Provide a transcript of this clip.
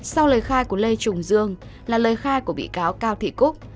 sau lời khai của lê trùng dương là lời khai của vị cáo cao thị cúc